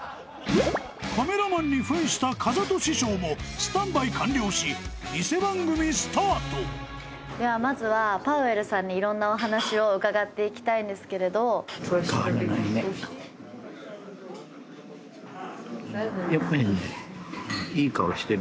カメラマンにふんした風戸師匠もスタンバイ完了しニセ番組スタートではまずはパウエルさんにいろんなお話を伺っていきたいんですけれどやっぱりね